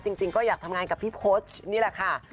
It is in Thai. จริงก็อยากทำงานกับพี่โพสต์นี่แหละค่ะ